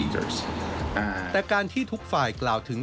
แต่การที่ทุกฝ่ายกล่าวถึง